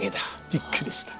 びっくりした。